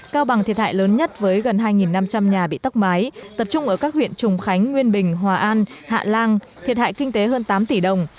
cao bằng thiệt hại lớn nhất với gần hai năm trăm linh nhà bị tóc mái tập trung ở các huyện trùng khánh nguyên bình hòa an hạ lan thiệt hại kinh tế hơn tám tỷ đồng